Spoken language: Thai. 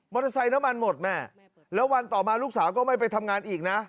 เตอร์ไซค์น้ำมันหมดแม่แล้ววันต่อมาลูกสาวก็ไม่ไปทำงานอีกนะ